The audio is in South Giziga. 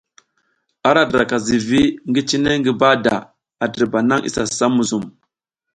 A ra diraka zivi ngi cine ngi bahada, a dirba nang isa sam muzum.